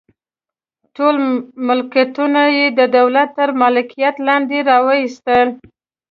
ټول ملکیتونه یې د دولت تر مالکیت لاندې راوستل.